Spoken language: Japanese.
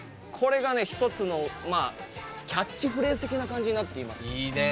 これが、一つのキャッチフレーズ的な感じになっています。